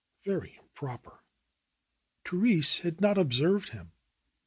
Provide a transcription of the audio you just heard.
Very improper ! Therese had not observed him.